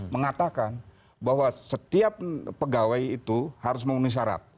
mengatakan bahwa setiap pegawai itu harus memenuhi syarat